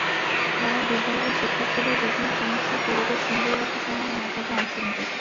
তারা বিদ্যালয়ের শিক্ষার্থীদের বিভিন্ন সমস্যা, পরিবেশ সুন্দর রাখাসহ নানা কাজে অংশ নেবে।